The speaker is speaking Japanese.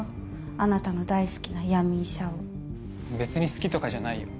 あなたの大好きな闇医者を別に好きとかじゃないよ